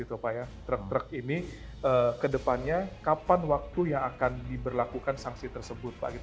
truk truk ini ke depannya kapan waktu yang akan diberlakukan sanksi tersebut pak